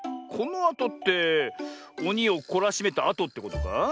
このあとっておにをこらしめたあとってことか？